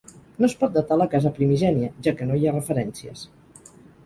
No es pot datar la casa primigènia, ja que no hi ha referències.